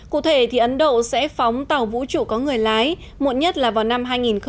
cụ thể thì ấn độ sẽ phóng tàu vũ trụ có người lái muộn nhất là vào năm hai nghìn hai mươi